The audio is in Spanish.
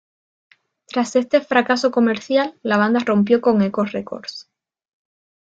Tras este fracaso comercial, la banda rompió con Echo Records.